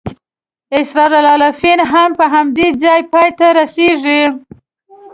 اسرار العارفین هم په همدې ځای پای ته رسېږي.